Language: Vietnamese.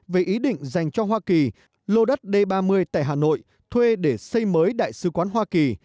về ý định dành cho hoa kỳ lô đất d ba mươi tại hà nội thuê để xây mới đại sứ quán hoa kỳ